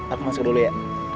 aku masuk dulu ya